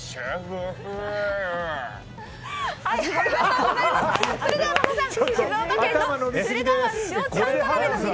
ありがとうございます。